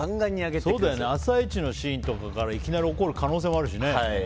朝イチのシーンとかからいきなり怒る可能性もあるしね。